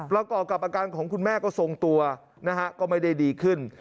ประกอบกับอาการของคุณแม่ก็ทรงตัวนะฮะก็ไม่ได้ดีขึ้น